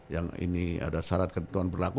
yang ini ada syarat ketentuan berlaku